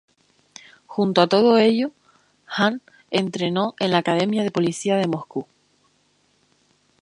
Junto a todo ello, Han entrenó en la academia de policía de Moscú.